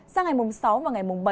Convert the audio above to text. sang ngày mùng sáu và ngày mùng bảy